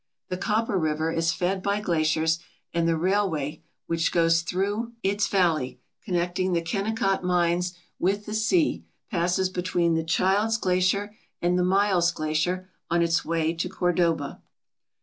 The Copper River is fed by glaciers and the railway which goes through its 93 ALASKA OUR NORTHERN WONDERLAND valley, connecting the Kennecott Mines with the sea, passes between the Childs Glacier and the Miles Glacier on its way to Cordova.